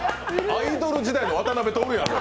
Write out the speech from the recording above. アイドル時代の渡辺徹やん。